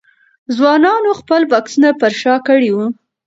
ځوانانو خپل بکسونه پر شا کړي وو.